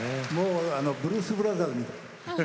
「ブルース・ブラザーズ」みたい。